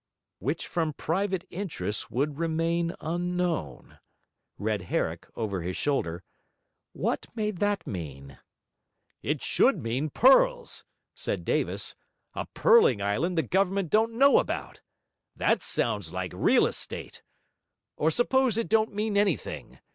"'Which from private interests would remain unknown,"' read Herrick, over his shoulder. 'What may that mean?' 'It should mean pearls,' said Davis. 'A pearling island the government don't know about? That sounds like real estate. Or suppose it don't mean anything.